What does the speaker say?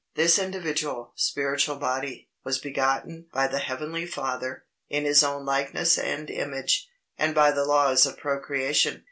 This individual, spiritual body, was begotten by the heavenly Father, in His own likeness and image, and by the laws of procreation.